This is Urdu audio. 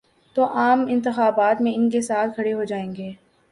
تو عام انتخابات میں ان کے ساتھ کھڑے ہو جائیں گے۔